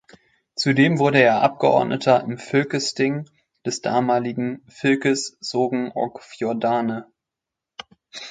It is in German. Zudem wurde er Abgeordneter im Fylkesting des damaligen Fylkes Sogn og Fjordane.